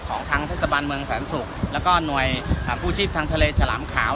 ของทางทัศนบันเมืองแสนสุขแล้วก็หน่วยอ่าผู้ชีพทางทะเลฉลามขาว